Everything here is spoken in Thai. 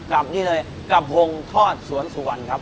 กับนี่เลยกระพงทอดสวนสุวรรณครับ